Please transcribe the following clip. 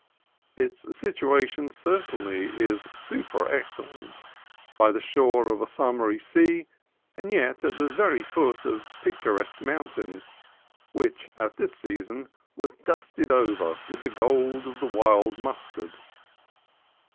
Its situation certainly is super ex cellent, by the shore of a summery sea and yet at the very foot of picturesque mountains, which, at this season, were just dusted over with the gold of the wild mustard.